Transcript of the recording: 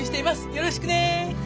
よろしく。